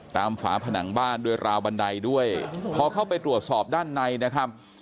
ฝาผนังบ้านด้วยราวบันไดด้วยพอเข้าไปตรวจสอบด้านในนะครับ